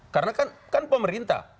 karena kan pemerintah